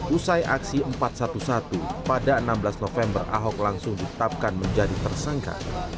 usai aksi empat ratus sebelas pada enam belas november ahok langsung ditetapkan menjadi tersangka